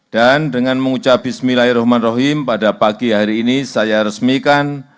dan dengan mengucap bismillahirrahmanirrahim pada pagi hari ini saya resmikan